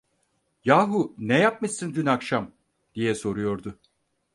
"Yahu ne yapmışsın dün akşam?" diye soruyordu.